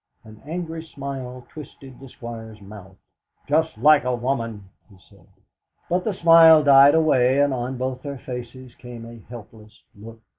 An angry smile twisted the Squire's mouth. "Just like a woman!" he said. But the smile died away, and on both their faces came a helpless look.